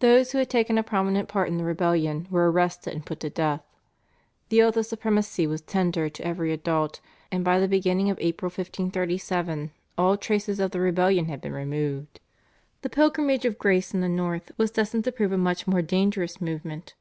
Those who had taken a prominent part in the rebellion were arrested and put to death; the oath of supremacy was tendered to every adult; and by the beginning of April 1537, all traces of the rebellion had been removed. The Pilgrimage of Grace in the north was destined to prove a much more dangerous movement.